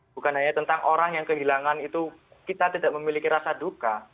bukan hanya tentang orang yang kehilangan itu kita tidak memiliki rasa duka